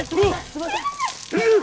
すいません！